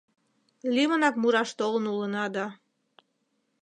Лумынак мураш толын улына да